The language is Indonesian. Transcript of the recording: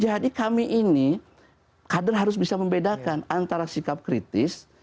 jadi kami ini kader harus bisa membedakan antara sikap kritis